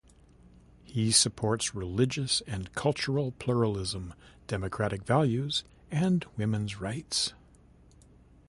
He supports religious and cultural pluralism, democratic values and women's rights.